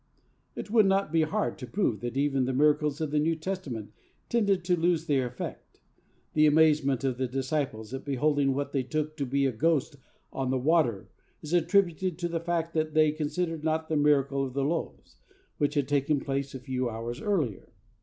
It would not be hard to prove that even the miracles of the New Testament tended to lose their effect. The amazement of the disciples at beholding what they took to be a ghost on the water is attributed to the fact that 'they considered not the miracle of the loaves' which had taken place a few hours earlier.